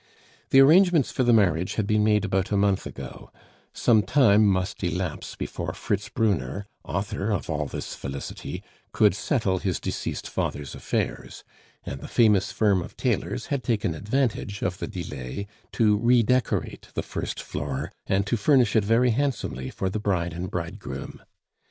The arrangements for the marriage had been made about a month ago; some time must elapse before Fritz Brunner, author of all this felicity, could settle his deceased father's affairs, and the famous firm of tailors had taken advantage of the delay to redecorate the first floor and to furnish it very handsomely for the bride and bridegroom.